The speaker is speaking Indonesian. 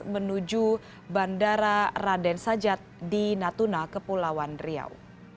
menuju bandara raden sajat di natuna kepulauan riau